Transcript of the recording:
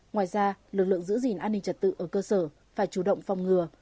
ngoài ra lực lượng giữ gìn an ninh trật tự ở cơ sở phải chủ động phòng ngừa